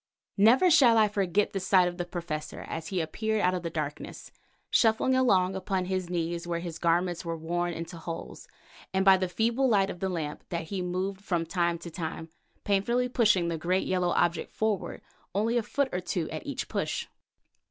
Never shall I forget the sight of the Professor as he appeared out of the darkness, shuffling along upon his knees where his garments were worn into holes, and by the feeble light of the lamp that he moved from time to time, painfully pushing the great yellow object forward, only a foot or two at each push.